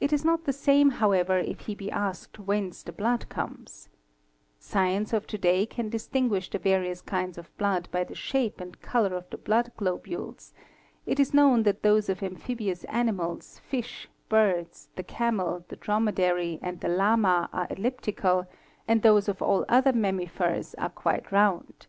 It is not the same however if he be asked whence the blood comes 87) Science of to day can distinguish the various kinds of blood by the shape and colour of the — blood globules: it is known that those of amphibious animals, fish, — birds, the camel, the dromadery, and the lama are elliptical, and those — of all other mammifers are quite round.